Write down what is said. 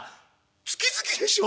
月々でしょ？